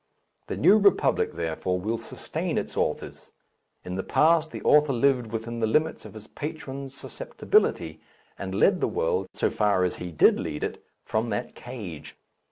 The New Republic, therefore, will sustain its authors. In the past the author lived within the limits of his patron's susceptibility, and led the world, so far as he did lead it, from that cage.